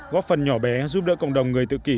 góp phần nhỏ bé giúp đỡ cộng đồng người tự kỷ